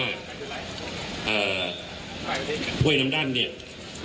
คุณผู้ชมไปฟังผู้ว่ารัฐกาลจังหวัดเชียงรายแถลงตอนนี้ค่ะ